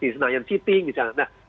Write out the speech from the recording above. di senayan city misalnya